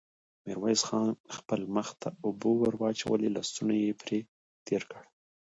ميرويس خان خپل مخ ته اوبه ور واچولې، لستوڼۍ يې پرې تېر کړ.